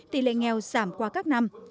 tỷ lệ nghèo giảm qua các năm